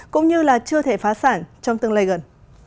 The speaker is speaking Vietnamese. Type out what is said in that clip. cũng như là chưa thể phá sản trong tương lai gần